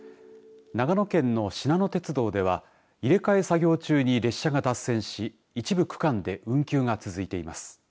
長野県のしなの鉄道では入れ替え作業中に列車が脱線し一部区間で運休が続いています。